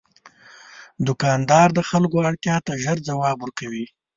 دوکاندار د خلکو اړتیا ته ژر ځواب ورکوي.